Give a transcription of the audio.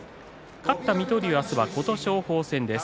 勝った水戸龍あしたは琴勝峰戦です。